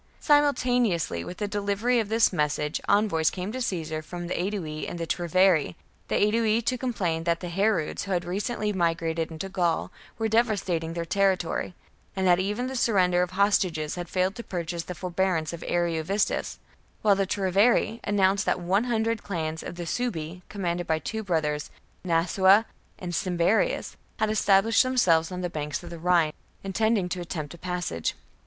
Simultaneously with the delivery of this Caesar ,1 A 1 • marches message envoys came to Caesar from the Aedui against Ario and the Treveri ; the Aedui to complain that the Harudes, who had recently migrated into Gaul, were devastating their territory, and that even the surrender of hostages had failed to purchase the forbearance of Ariovistus, while the Treveri announced that one hundred clans of the Suebi, commanded by two brothers, Nasua and Cim berius, had established themselves on the banks of the Rhine, intending to attempt a passage.